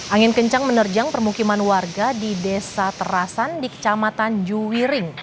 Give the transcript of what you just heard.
angin kencang menerjang permukiman warga di desa terasan di kecamatan juwiring